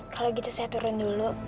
kalau gitu saya turun dulu